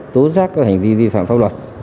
tố giác các hành vi vi phạm pháp luật